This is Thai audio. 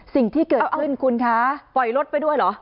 สิ่งที่เกิดขึ้นคุณคะปล่อยรถไปด้วยเหรอ